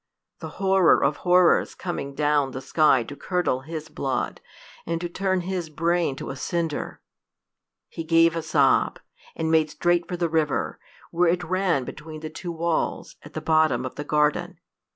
the horror of horrors coming down the sky to curdle his blood, and turn his brain to a cinder! He gave a sob, and made straight for the river, where it ran between the two walls, at the bottom of the garden.